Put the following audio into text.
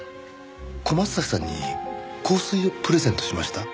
小松崎さんに香水をプレゼントしました？